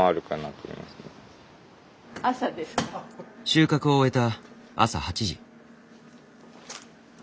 収穫を終えた朝８時。